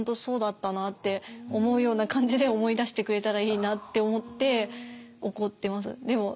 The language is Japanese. そうだったなって思うような感じで思い出してくれたらいいなって思って怒ってます。